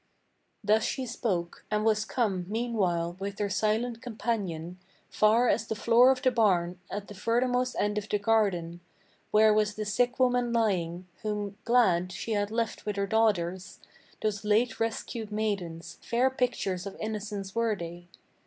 Thus she spoke, and was come, meanwhile, with her silent companion, Far as the floor of the barn, at the furthermost end of the garden, Where was the sick woman lying, whom, glad, she had left with her daughters, Those late rescued maidens: fair pictures of innocence were they.